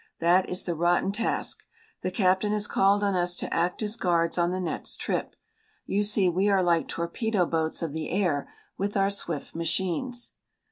That is the rotten task. The captain has called on us to act as guards on the next trip. You see we are like torpedo boats of the air with our swift machines.